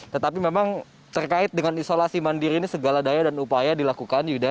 tetapi memang terkait dengan isolasi mandiri ini segala daya dan upaya dilakukan yuda